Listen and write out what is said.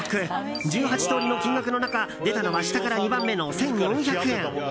１８通りの金額の中、出たのは下から２番目の１４００円。